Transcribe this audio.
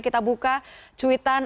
kita buka cuitan